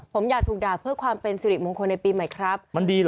ผมอยากถูกด่าเพื่อความเป็นสิริมงคลในปีใหม่ครับ